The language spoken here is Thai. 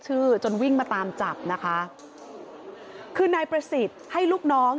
จนวิ่งมาตามจับนะคะคือนายประสิทธิ์ให้ลูกน้อง